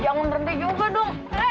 jangan berhenti juga dong